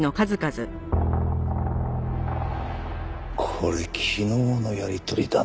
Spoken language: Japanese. これ昨日のやり取りだな。